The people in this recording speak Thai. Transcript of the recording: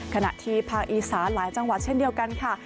ขณะที่ภาคอีสานหลายจังหวัดเช่นเดียวกันค่ะ